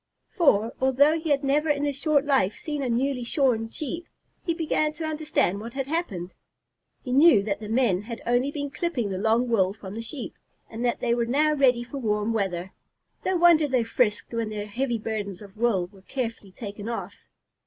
For, although he had never in his short life seen a newly shorn Sheep, he began to understand what had happened. He knew that the men had only been clipping the long wool from the Sheep, and that they were now ready for warm weather. No wonder they frisked when their heavy burdens of wool were carefully taken off.